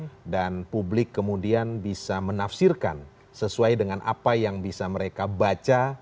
seperti rindo dan publik kemudian bisa menafsirkan sesuai dengan apa yang bisa mereka baca